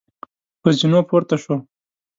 پر زینو پورته شوو.